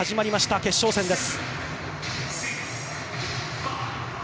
決勝戦です。